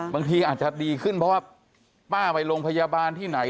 บางทีอาจจะดีขึ้นเพราะว่าป้าไปโรงพยาบาลที่ไหน